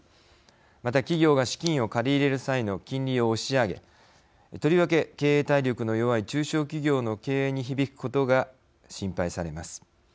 また、企業が資金を借り入れる際の金利を押し上げとりわけ経営体力の弱い中小企業の経営に響くことが心配されます。